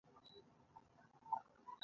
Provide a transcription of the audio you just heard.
ځینې خوږې د مصنوعي خوږونکو سره جوړېږي.